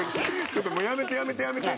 ちょっともうやめてやめてやめて！